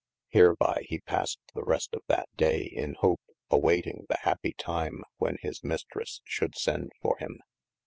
Hereby hee passed the rest of that daye in hope awayting the happie tyme when his Mystresse shoulde sende for him.